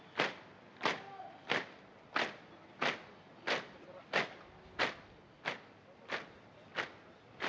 laporan komandan upacara kepada inspektur upacara